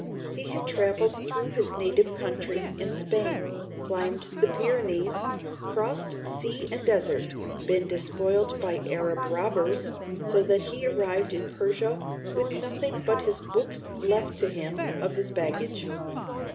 He had traveled through his native country and Spain, climbed the Pyrenees, crossed sea and desert, been despoiled by Arab robbers, so that he arrived in Persia with nothing but his books left to him of his baggage.